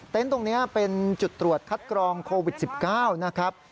ตรงนี้เป็นจุดตรวจคัดกรองโควิด๑๙นะครับ